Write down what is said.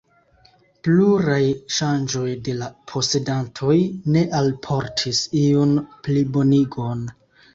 Pluraj ŝanĝoj de la posedantoj ne alportis iun plibonigon.